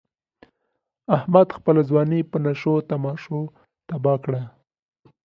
احمد خپله ځواني په نشو تماشو تباه کړ.